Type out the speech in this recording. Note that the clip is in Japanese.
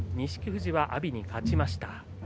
富士は阿炎に勝ちました。